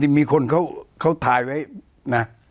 แต่มีคนเขาทายไว้นะ